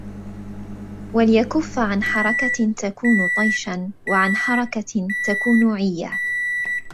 وَلْيَكُفَّ عَنْ حَرَكَةٍ تَكُونُ طَيْشًا وَعَنْ حَرَكَةٍ تَكُونُ عِيًّا